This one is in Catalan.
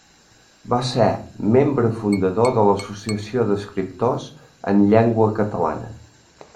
Va ser membre fundador de l'Associació d'Escriptors en Llengua Catalana.